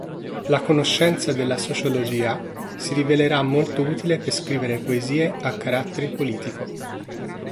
La conoscenza della sociologia si rivelerà molto utile per scrivere poesie a carattere politico.